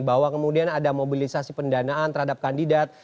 bahwa kemudian ada mobilisasi pendanaan terhadap kandidat